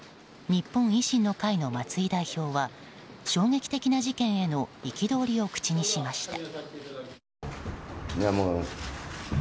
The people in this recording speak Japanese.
日本維新の会の松井代表は衝撃的な事件への憤りを口にしました。